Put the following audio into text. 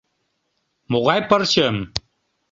— Могай пырчым?